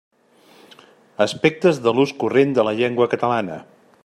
Aspectes de l'ús corrent de la llengua catalana.